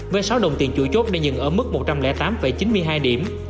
với sáu đồng tiền chủ chốt đã dừng ở mức một trăm linh tám chín mươi hai điểm